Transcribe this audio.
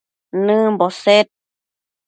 nëmbo sed